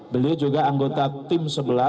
beliau juga anggota tim sebelas